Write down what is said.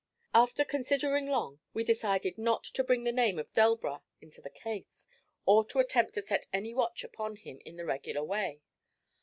After considering long, we decided not to bring the name of Delbras into the case, or to attempt to set any watch upon him in the regular way.